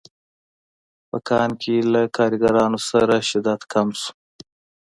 په کان کې له کارګرانو سره شدت کم شو